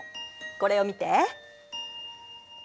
これを見て。